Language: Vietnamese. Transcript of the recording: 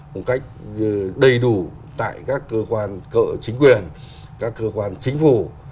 một cách đầy đủ tại các cơ quan cỡ chính quyền các cơ quan chính phủ